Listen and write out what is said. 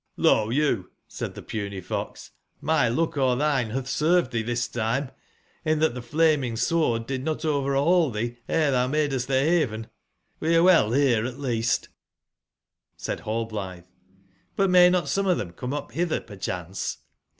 5^g^O, you/' said the puny fox, ''thy luck or ■jI^iH "^^"^^^^^ served thee this time, in that the 2^s3 flaming Sword did not overhaul thee ere thou madest the haven. <GCIe are well here at least "j^ Said nallblithe: ''But may not some of them come up hither perchance